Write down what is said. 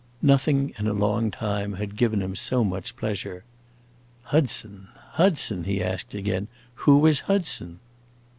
Nothing, in a long time, had given him so much pleasure. "Hudson Hudson," he asked again; "who is Hudson?"